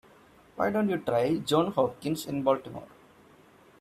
Why don't you try Johns Hopkins in Baltimore?